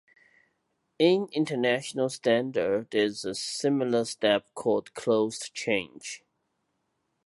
In International Standard there is a similar step called Closed Change.